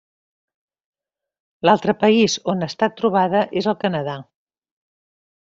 L'altre país on ha estat trobada és el Canadà.